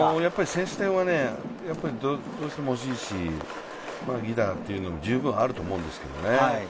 先取点はどうしても欲しいし、犠打というのも十分あると思うんですけどね。